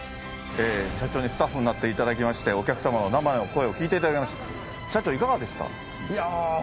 社長にスタッフになっていただきましてお客さまの生の声を聞いていただきました。